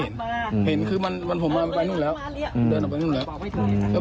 ไม่เห็นอืมเห็นคือมันมันผมมาไปนู่นแล้วอืมเดินออกไปนู่นแล้วอืม